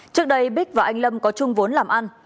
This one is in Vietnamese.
trước đây bích và anh lâm có chung vốn làm ăn